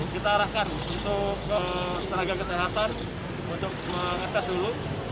kita arahkan untuk ke tenaga kesehatan untuk mengetes dulu